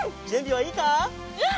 うん！